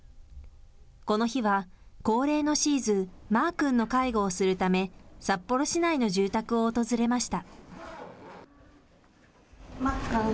この日は、高齢のシーズー、マーくんの介護をするため、札幌市内の住宅を訪れました。